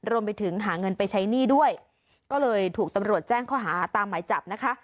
รวมไปถึงหาเงินไปใช้หนี้ด้วยก็เลยถูกตำรวจแจ้งข้อหาตามหมายจับนะคะ